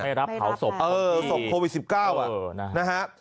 ไม่รับเผาศพโควิด๑๙นะฮะ